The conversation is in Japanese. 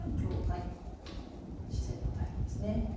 自然な対応ですね。